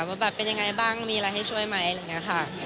ว่าแบบเป็นยังไงบ้างมีอะไรให้ช่วยไหมอะไรอย่างนี้ค่ะ